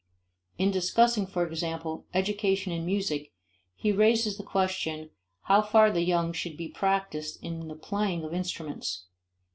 In discussing, for example, education in music he raises the question how far the young should be practiced in the playing of instruments.